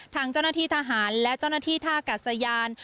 ทางเจ้าหน้าที่ทหารและเจ้าหน้าที่ท่ากัดสยาน